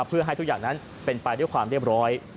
เพื่อให้ทุกอย่างนั้นเป็นไปด้วยความเรียบร้อย